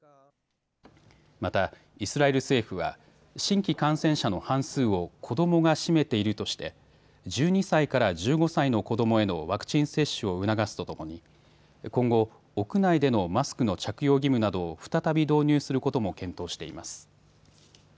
またイスラエル政府は新規感染者の半数を子どもが占めているとして１２歳から１５歳の子どもへのワクチン接種を促すとともに今後、屋内でのマスクの着用義務などを再び導入することも検討しています。